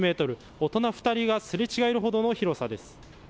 大人２人がすれ違えるほどの広さです。